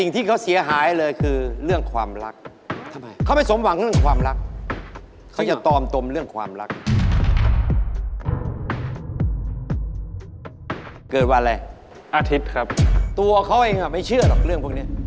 ตัวเขาเองไม่เชื่อหรอกเรื่องพวกนี้